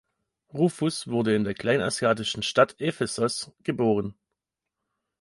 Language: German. Rufus wurde in der kleinasiatischen Stadt Ephesos geboren.